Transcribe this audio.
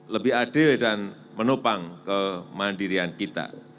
lebih adil dan menopang kemandirian kita